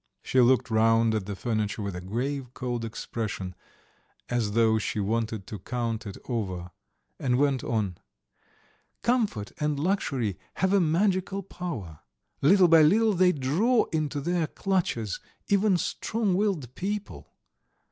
She looked round at the furniture with a grave, cold expression, as though she wanted to count it over, and went on: "Comfort and luxury have a magical power; little by little they draw into their clutches even strong willed people.